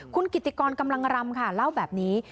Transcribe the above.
คุณกิติกรกำลังรำค่ะเล่าแบบนี้